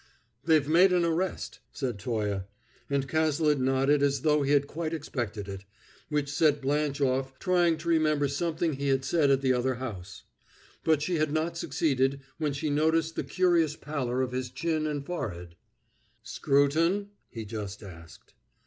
"They've made an arrest," said Toye; and Cazalet nodded as though he had quite expected it, which set Blanche off trying to remember something he had said at the other house; but she had not succeeded when she noticed the curious pallor of his chin and forehead. "Scruton?" he just asked.